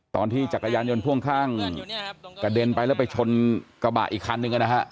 ตอนที่จักรยานยนต์พ่วงข้างกระเด็นไปแล้วไปชนกระบะอีกครั้งหนึ่งนะครับ